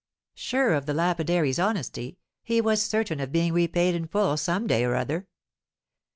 Sure of the lapidary's honesty, he was certain of being repaid in full some day or other.